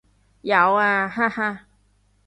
有啊，哈哈